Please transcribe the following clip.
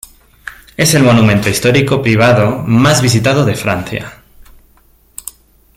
Es el monumento histórico privado más visitado de Francia.